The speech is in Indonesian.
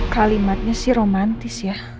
kalimatnya sih romantis ya